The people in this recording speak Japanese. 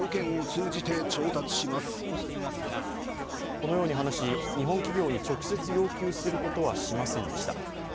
このように話し、日本企業に直接要求することはしませんでした。